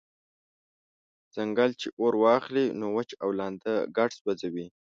« ځنګل چی اور واخلی نو وچ او لانده ګډ سوځوي»